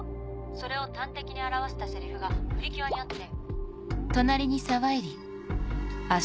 それを端的に表したセリフが『プリキュア』にあって。